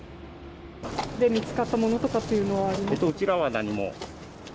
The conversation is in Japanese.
見つかったものとかっていううちらは何も。